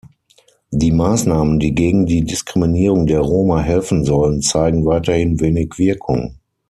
Die Maßnahmen, die gegen die Diskriminierung der Roma helfen sollen, zeigen weiterhin wenig Wirkung.